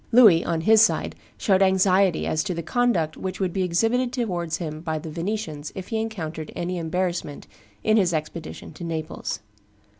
Louis, on his side, showed anxiety as to the conduct which would be exhibited towards him by the Venetians if he encountered any embarrassment in his expedition to Naples.